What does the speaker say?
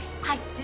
はい！